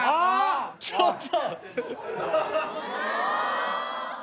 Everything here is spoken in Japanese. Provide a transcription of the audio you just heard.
ちょっと！